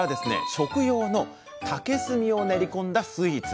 食用の竹炭を練り込んだスイーツ。